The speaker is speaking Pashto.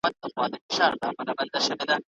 دا پړاو له علمي پړاو ساده دی.